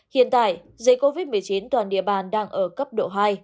hiện tại dịch covid một mươi chín toàn địa bàn đang ở cấp độ hai